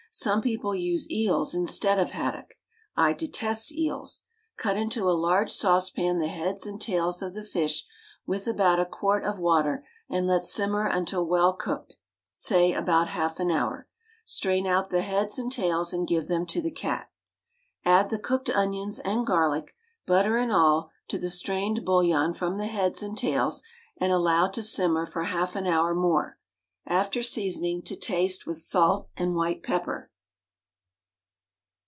Some people use eels in stead of haddock. I detest eels. Cut into a large saucepan the heads and tails of the fish with about a quart of water and let simmer until well cooked, say about half an hour. Strain out the heads and tails and give them to the cat. Add the cooked onions and garlic, — ^butter and all — to the strained bouillion from the heads and tails and allow to simmer for half an hour more, after seasoning to taste [lOO] WRITTEN FOR MEN BY MEN with salt and white pepper.